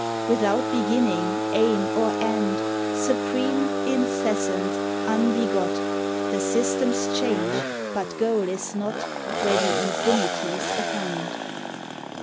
Without beginning, aim or end; Supreme, incessant, unbegot; The systems change, but goal is not, Where the Infinities attend.